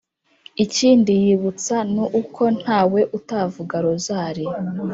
ikindi yibutsa ni uko ntawe utavuga rozali